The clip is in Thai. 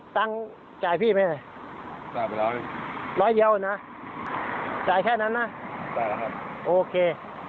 ได้แล้วครับโอเค